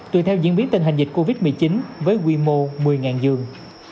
tùy theo diễn biến tình hình dịch covid một mươi chín với quy mô một mươi giường